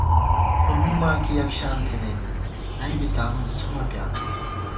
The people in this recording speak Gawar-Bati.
سومّی ماں کی یَکشان تھنَئیت، نئ بی تانُو څھمہ پیانُم